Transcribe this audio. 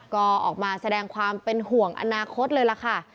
ก็ออกมาแสดงความเป็นห่วงอนาคตเลยล่ะค่ะ